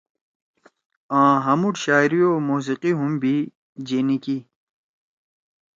آں ہامُوڑ شاعری او موسیقی ہُم بھی جینی کی۔